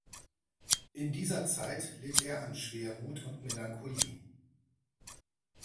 In dieser Zeit litt er an Schwermut und Melancholie.